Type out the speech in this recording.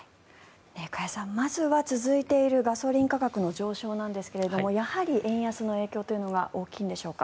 加谷さんまずは続いているガソリン価格の上昇なんですがやはり円安の影響というのが大きいんでしょうか？